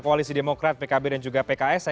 koalisi demokrat pkb dan juga pks